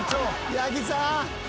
八木さん！